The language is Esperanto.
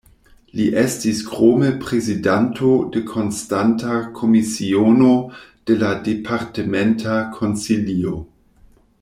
Li estis krome prezidanto de konstanta komisiono de la Departementa Konsilio.